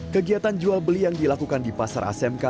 kegiatan jual beli yang dilakukan di pasar asmk